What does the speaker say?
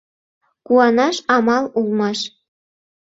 Куанаш амал улмаш: